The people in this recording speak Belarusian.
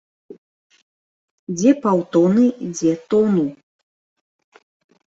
Дзе паўтоны, дзе тону.